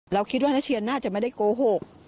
เราคิดว่านักเชียนน่าจะไม่ได้โกหก